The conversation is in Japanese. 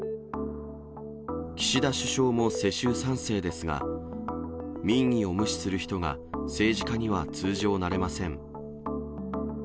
岸田首相も世襲３世ですが、民意を無視する人が政治家には通常なれません。